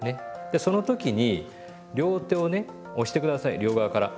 でその時に両手をね押して下さい両側から。